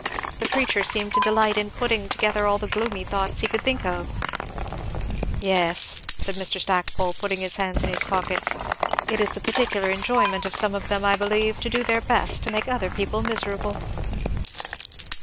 The preacher seemed to delight in putting together all the gloomy thoughts he could think of." "Yes!" said Mr. Stackpole, putting his hands in his pockets, "it is the particular enjoyment of some of them, I believe, to do their best to make other people miserable."